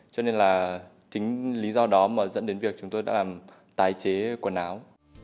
cho nên là chính lý do đó mà dẫn đến việc chúng tôi đã làm tái chế quần áo